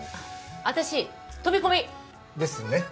私飛び込み。ですね。